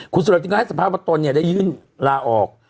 คุณสสสภาพตนเนี่ยได้ยื่นลาออก